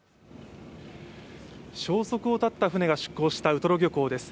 消息を絶った船が出航したウトロ漁港です。